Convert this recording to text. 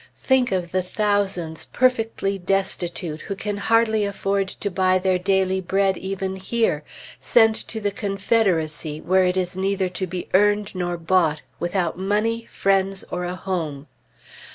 Think of the thousands, perfectly destitute, who can hardly afford to buy their daily bread even here, sent to the Confederacy, where it is neither to be earned nor bought, without money, friends, or a home.